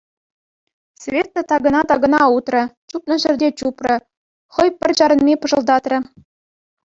Света такӑна-такӑна утрӗ, чупнӑ ҫӗрте чупрӗ, хӑй пӗр чарӑнми пӑшӑлтатрӗ.